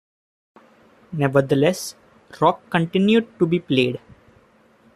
Nevertheless, rock continued to be played.